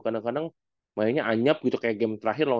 kadang kadang mainnya anyap gitu kayak game terakhir loh